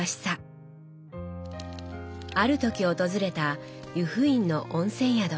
ある時訪れた湯布院の温泉宿。